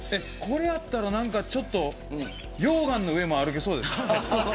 これやったら、ちょっと溶岩の上も歩けそうですね。